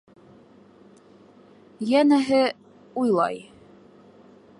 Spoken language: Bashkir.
Йәнәһе, уйлай.